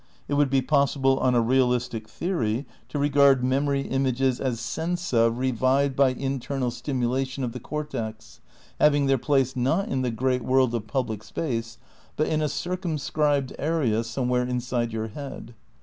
It would be possible on a realistic theory to regard mem ory images as sensa revived by internal stimulation of the cortex, having their place, not in the great world of public space, but in a circumscribed area some where inside your head.